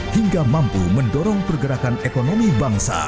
hingga mampu mendorong pergerakan ekonomi bangsa